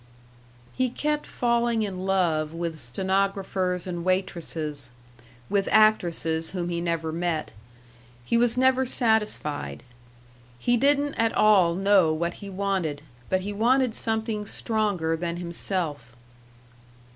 He kept falling in love with stenographers and waitresses, with actresses whom he never met. He was never satisfied. He didn't at all know what he wanted, but he wanted something stronger than himself.